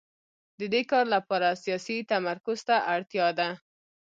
د دې کار لپاره سیاسي تمرکز ته اړتیا ده